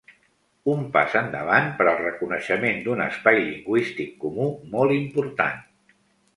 Un pas endavant per al reconeixement d’un espai lingüístic comú molt important.